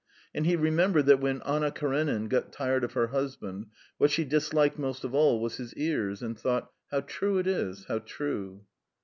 And he remembered that when Anna Karenin got tired of her husband, what she disliked most of all was his ears, and thought: "How true it is, how true!"